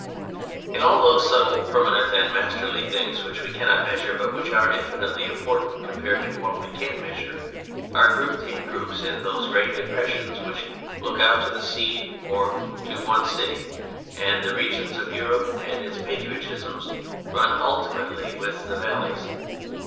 All those subtle, permanent, and masterly things which we cannot measure, but which are infinitely important compared with what we can measure, are grouped in groups in those great depressions which look to one sea or to one city, and the regions of Europe and its patriotisms run ultimately with the valleys.